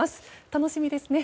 楽しみですね。